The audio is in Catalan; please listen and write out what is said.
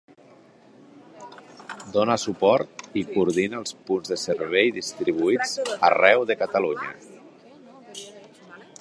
Dona suport i coordina els punts de servei distribuïts arreu de Catalunya.